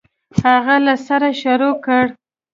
هغه له سره شروع کړ.